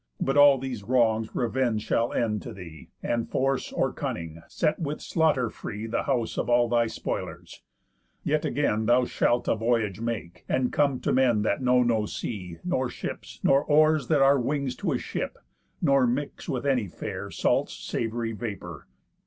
But all these wrongs revenge shall end to thee, And force, or cunning, set with slaughter free The house of all thy spoilers. Yet again Thou shalt a voyage make, and come to men That know no sea, nor ships, nor oars that are Wings to a ship, nor mix with any fare Salt's savoury vapour.